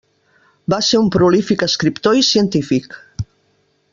Va ser un prolífic escriptor i científic.